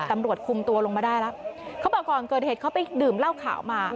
ตำรวจคุมตัวลงมาได้แล้วเขาบอกก่อนเกิดเหตุเขาไปดื่มเหล้าขาวมา